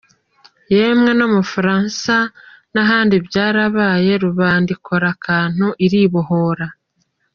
Yemwe no mu Bufaransa n’ahandi byarabaye Rubanda ikora akantu iribohora.